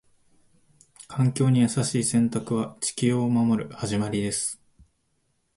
環境に優しい選択は、地球を守る始まりです。